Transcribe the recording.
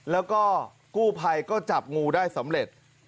แล้วก็กู้ภัยก็จับงูได้สำเร็จ